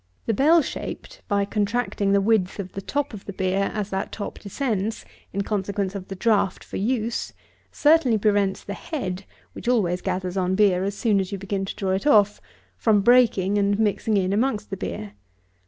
The bell shaped, by contracting the width of the top of the beer, as that top descends, in consequence of the draft for use, certainly prevents the head (which always gathers on beer as soon as you begin to draw it off) from breaking and mixing in amongst the beer.